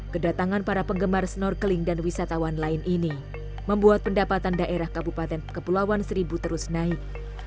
kedatangan para penggemar snorkeling dan wisatawan lain ini membuat pendapatan daerah kabupaten kepulauan seribu terus naik